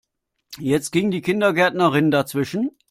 Jetzt ging die Kindergärtnerin dazwischen.